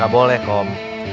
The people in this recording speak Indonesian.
gak boleh kom